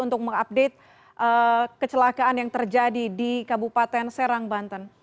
untuk mengupdate kecelakaan yang terjadi di kabupaten serang banten